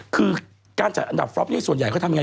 คือการจัดอันดับฟรอปนี่ส่วนใหญ่เขาทำยังไง